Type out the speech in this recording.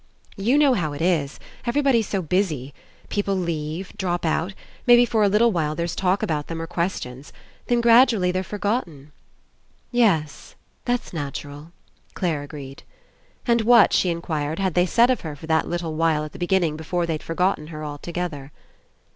"You know how It is. Everybody's so busy. People leave, drop out, maybe for a little while there's talk about them, or questions; then, gradually they're forgotten." *'Yes, that's natural," Clare agreed. And what, she inquired, had they said of her for that little while at the beginning before they'd forgotten her altogether?